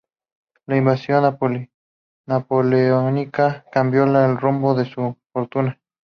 La invasión napoleónica cambió el rumbo de su fortuna.